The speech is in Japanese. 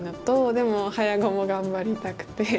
でも早碁も頑張りたくて。